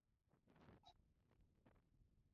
越南万年青为天南星科粗肋草属的植物。